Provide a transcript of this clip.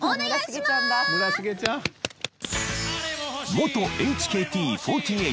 ［元ＨＫＴ４８］